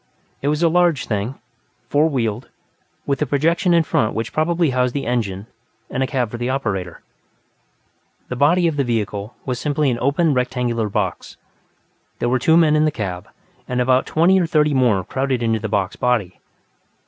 It was a large thing, four wheeled, with a projection in front which probably housed the engine and a cab for the operator. The body of the vehicle was simply an open rectangular box. There were two men in the cab, and about twenty or thirty more crowded into the box body.